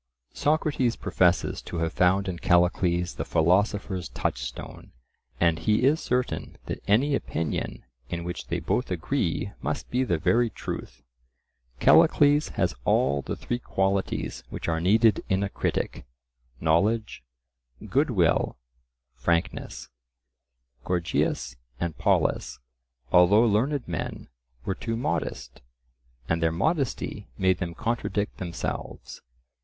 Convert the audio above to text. Socrates professes to have found in Callicles the philosopher's touchstone; and he is certain that any opinion in which they both agree must be the very truth. Callicles has all the three qualities which are needed in a critic—knowledge, good will, frankness; Gorgias and Polus, although learned men, were too modest, and their modesty made them contradict themselves.